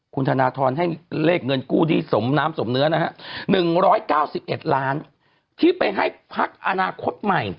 คุณธนทรบังให้เลขเงินกู้สมน้ำสมเนื้อนะคะ